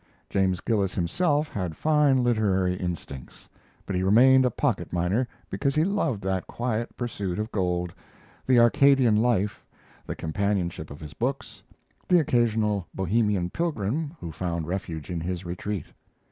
James Gillis himself had fine literary instincts, but he remained a pocket miner because he loved that quiet pursuit of gold, the Arcadian life, the companionship of his books, the occasional Bohemian pilgrim who found refuge in his retreat.